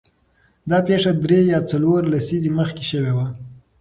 دا پېښه درې یا څلور لسیزې مخکې شوې وه.